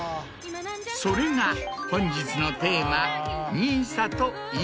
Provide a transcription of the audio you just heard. それが本日のテーマ。